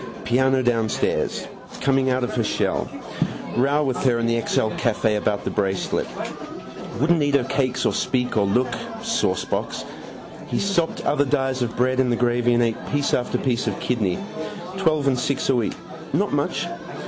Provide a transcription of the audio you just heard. Piano downstairs. Coming out of her shell. Row with her in the XL Café about the bracelet. Wouldn't eat her cakes or speak or look. Saucebox. He sopped other dies of bread in the gravy and ate piece after piece of kidney. Twelve and six a week. Not much.